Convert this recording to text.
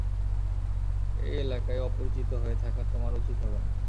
এই এলাকায় অপরিচিত হয়ে থাকা তোমার উচিৎ হবে না।